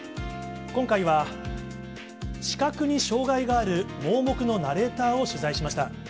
今回は、視覚に障がいがある盲目のナレーターを取材しました。